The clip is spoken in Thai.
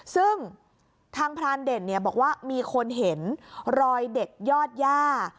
ซึ่งทางพรานเด่นบอกว่ามีคนเห็นรอยเด็กยอดย่า